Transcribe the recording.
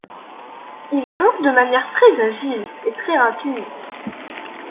Il grimpe de manière très agile et très rapide.